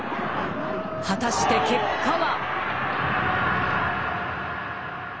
果たして結果は。